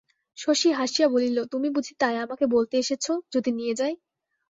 শশী হাসিয়া বলিল, তুমি বুঝি তাই আমাকে বলতে এসেছ, যদি নিয়ে যাই?